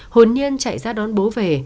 hồn nhiên chạy ra đón bố về